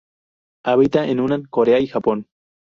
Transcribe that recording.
Habita en Hunan, Corea y Japón.